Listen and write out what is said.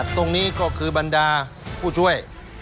ตรงนี้ก็คือบรรดาผู้ช่วย